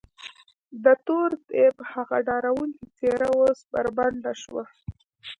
د تور دیب هغه ډارونکې څېره اوس بربنډه شوه.